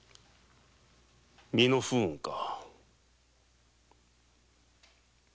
身の不運か。